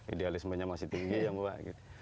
idealismenya masih tinggi ya mbak